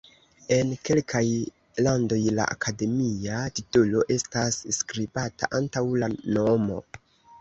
En kelkaj landoj la akademia titolo estas skribata antaŭ la nomo.